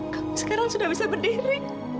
kau sekarang sudah bisa berdiri